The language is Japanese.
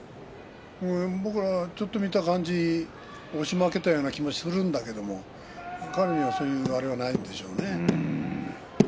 僕はちょっと見た感じ押し負けたような気がするんだけれども、彼にはそんな感覚はないでしょうね。